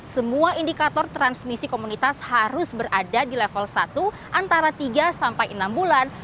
semua indikator transmisi komunitas harus berada di level satu antara tiga sampai enam bulan